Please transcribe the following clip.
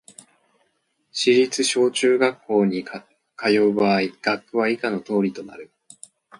市立小・中学校に通う場合、学区は以下の通りとなる